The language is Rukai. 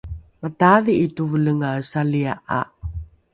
mataadhi’i tevelengae salia’a